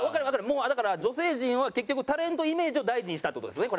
もうだから女性陣は結局タレントイメージを大事したっていう事ですね